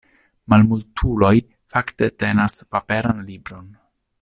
Malmultuloj fakte tenas paperan libron.